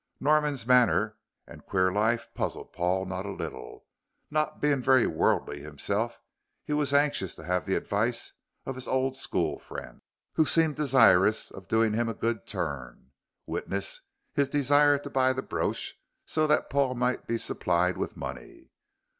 Norman's manner and queer life puzzled Paul not a little, and not being very worldly himself he was anxious to have the advice of his old school friend, who seemed desirous of doing him a good turn, witness his desire to buy the brooch so that Paul might be supplied with money.